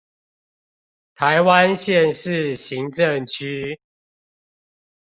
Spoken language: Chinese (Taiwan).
臺灣縣市行政區